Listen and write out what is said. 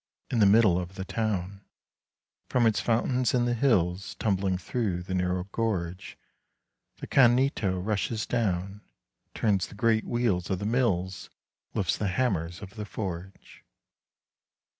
In the middle of the town, From its fountains in the hills, Tumbling through the narrow gorge, 10 The Canneto rushes down, Turns the great wheels of the mills, Lifts the hammers of the forge.